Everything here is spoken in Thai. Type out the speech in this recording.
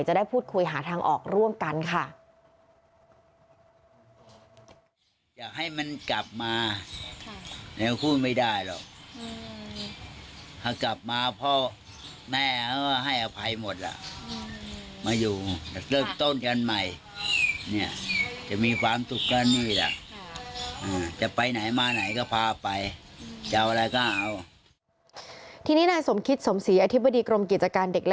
จะได้พูดคุยหาทางออกร่วมกันค่ะ